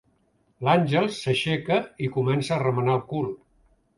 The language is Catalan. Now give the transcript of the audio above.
L'Àngels s'aixeca i comença a remenar el cul.